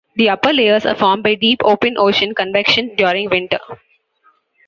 The upper layers are formed by deep open ocean convection during winter.